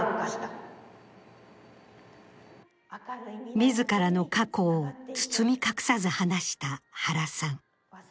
自らの過去を包み隠さず話した原さん。